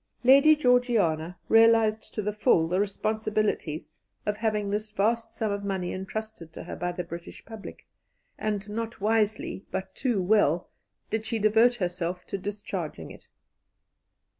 Lady Georgiana realized to the full the responsibilities of having this vast sum of money entrusted to her by the British public, and not wisely, but too well, did she devote herself to discharging it.